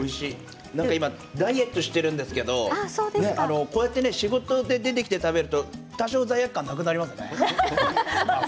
僕、今ダイエットしているんですけどでも、こうやって仕事で出てきて食べると多少、罪悪感なくなりますね。